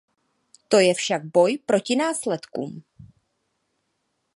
To je však boj proti následkům.